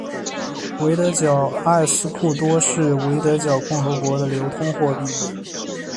维德角埃斯库多是维德角共和国的流通货币。